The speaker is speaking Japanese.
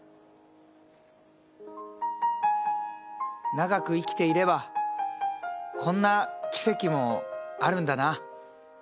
長く生きていればこんな奇跡もあるんだな。